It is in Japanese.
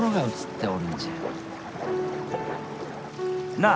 なあ！